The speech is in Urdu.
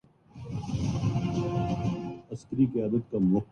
لیکن جیس جیس دوڑ گ ، چلتے گ ویس ویس ت دھ گئی